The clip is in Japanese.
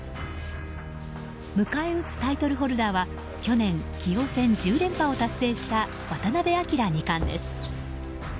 迎え撃つタイトルホルダーは去年棋王戦１０連覇を達成した渡辺明二冠です。